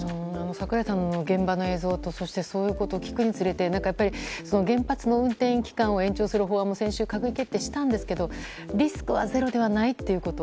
櫻井さんの現場の映像とそういうことを聞くにつれて原発の運転期間を延長する法案も閣議決定したんですけどリスクはゼロではないということ。